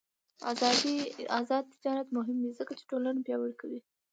آزاد تجارت مهم دی ځکه چې ټولنه پیاوړې کوي.